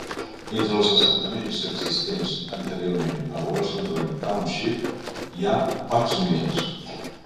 Entre els assentaments existents anteriorment a Washington Township hi ha Pack's Mills.